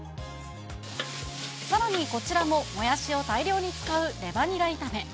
さらにこちらも、もやしを大量に使うレバニラ炒め。